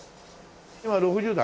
今６０代？